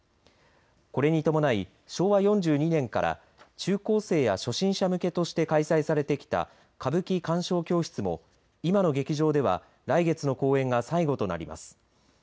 これに伴い昭和４２年から中高生や初心者向けとして開催されてきた歌舞伎鑑賞教室も今の劇場では来月の公演が最後となります。